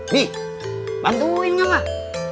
nih bantuin gak pak